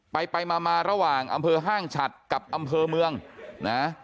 ไปไปมามาระหว่างอำเภอห้างฉัดกับอำเภอเมืองนะ